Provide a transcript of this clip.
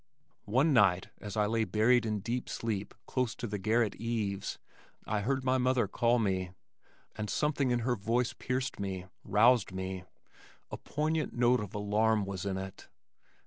One night as I lay buried in deep sleep close to the garret eaves I heard my mother call me and something in her voice pierced me, roused me. A poignant note of alarm was in it.